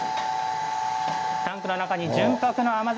タンクの中に純白の甘酒